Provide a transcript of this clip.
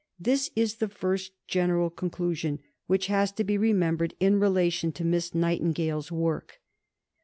This is the first general conclusion which has to be remembered in relation to Miss Nightingale's work.